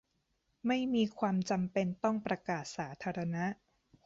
ไม่มีความจำเป็นต้องประกาศสาธารณะ